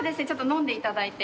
飲んでいただいて。